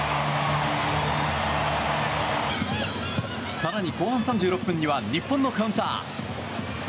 更に後半３６分には日本のカウンター。